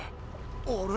あれ？